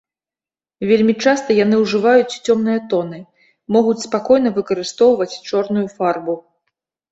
Вельмі часта яны ўжываюць цёмныя тоны, могуць спакойна выкарыстоўваць чорную фарбу.